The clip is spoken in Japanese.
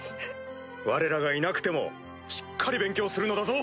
われらがいなくてもしっかり勉強するのだぞ！